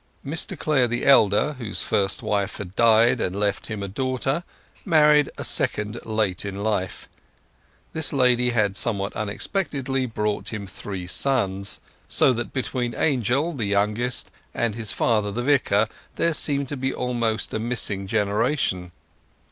Mr Clare the elder, whose first wife had died and left him a daughter, married a second late in life. This lady had somewhat unexpectedly brought him three sons, so that between Angel, the youngest, and his father the Vicar there seemed to be almost a missing generation.